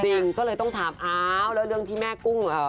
จริงก็เลยต้องถามอ้าวแล้วเรื่องที่แม่กุ้ง